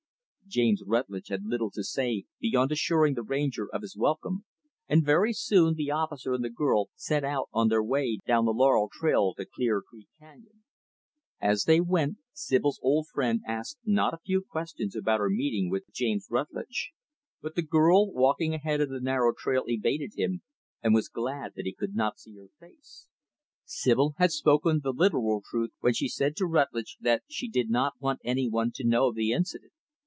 James Rutlidge had little to say beyond assuring the Ranger of his welcome; and very soon, the officer and the girl set out on their way down the Laurel trail to Clear Creek canyon. As they went, Sibyl's old friend asked not a few questions about her meeting with James Rutlidge; but the girl, walking ahead in the narrow trail, evaded him, and was glad that he could not see her face. Sibyl had spoken the literal truth when she said to Rutlidge, that she did not want any one to know of the incident.